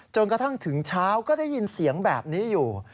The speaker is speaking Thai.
จนกระทั่งถึงเช้าก็ได้ยินเสียงแบบนี้อยู่